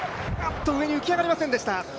上に浮き上がりませんでした。